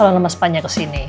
bawa selama sepanjangnya ke sini